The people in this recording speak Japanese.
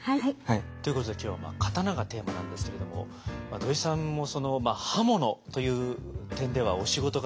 ということで今日は刀がテーマなんですけれども土井さんも刃物という点ではお仕事柄。